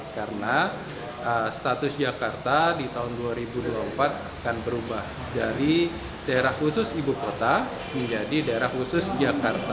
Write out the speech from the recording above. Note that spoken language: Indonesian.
karena status jakarta di tahun dua ribu dua puluh empat akan berubah dari daerah khusus ibu kota menjadi daerah khusus jakarta